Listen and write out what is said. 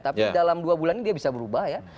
tapi dalam dua bulan ini dia bisa berubah ya